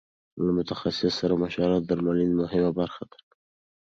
له متخصص سره مشوره د درملنې مهمه برخه ده.